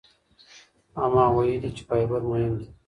اما ویلي چې فایبر مهم دی.